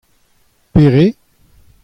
Pere ?